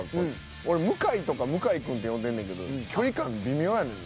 俺「向井」とか「向井君」って呼んでんねんけど距離感微妙やねんな。